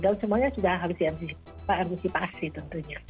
dan semuanya sudah harus diantisipasi tentunya